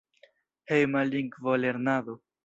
Hejma lingvolernado.